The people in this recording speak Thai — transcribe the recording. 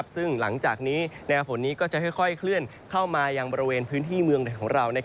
ซึ่งหลังจากนี้แนวฝนนี้ก็จะค่อยเคลื่อนเข้ามายังบริเวณพื้นที่เมืองของเรา